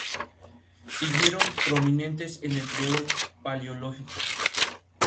Siguieron prominentes en el período Paleólogo.